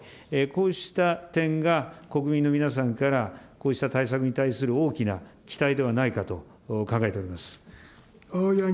こうした点が国民の皆さんから、こうした対策に対する大きな期待ではないかと考えております。